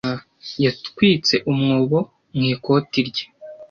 Yatwitse umwobo mu ikoti rye.